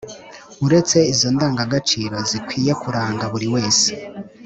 Uretse izo ndangagaciro zikwiye kuranga buriwese